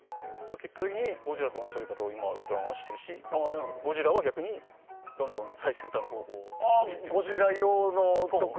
結果的に「ゴジラ」と同じようなやり方を「ウルトラマン」はしているし「ゴジラ」は逆にどんどん最先端の方法を取り入れているし。